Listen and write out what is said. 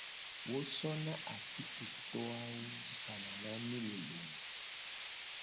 Wo sona atiketo awo sana na mi le lome.